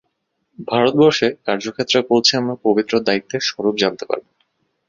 ভারতবর্ষে কার্যক্ষেত্রে পৌঁছে আমার পবিত্র দায়িত্বের স্বরূপ জানতে পারব।